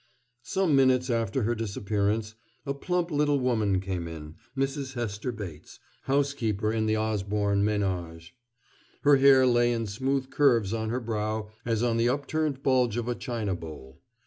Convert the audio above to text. Some minutes after her disappearance, a plump little woman came in Mrs. Hester Bates, housekeeper in the Osborne ménage. Her hair lay in smooth curves on her brow as on the upturned bulge of a china bowl.